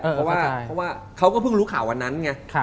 เพราะว่าเขาก็เพิ่งรู้ข่าววันนั้นไง